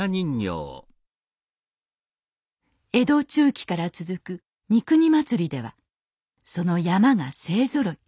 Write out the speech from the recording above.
江戸中期から続く三国祭ではその山車が勢ぞろい。